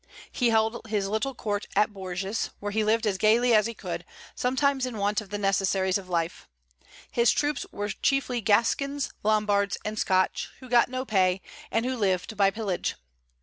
He held his little court at Bourges, where he lived as gaily as he could, sometimes in want of the necessaries of life. His troops were chiefly Gascons, Lombards, and Scotch, who got no pay, and who lived by pillage.